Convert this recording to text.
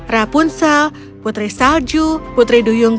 rapunzel putri salju putri duyungku